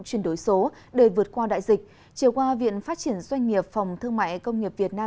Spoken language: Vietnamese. chuyên đối số để vượt qua đại dịch triều hoa viện phát triển doanh nghiệp phòng thương mại công nghiệp việt nam